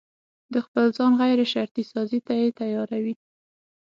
د خپل ځان غيرشرطي سازي ته يې تياروي.